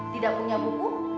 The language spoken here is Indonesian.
tidak punya buku